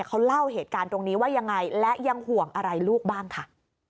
เขาเล่าเหตุการณ์ตรงนี้ว่ายังไงและยังห่วงอะไรลูกบ้างค่ะ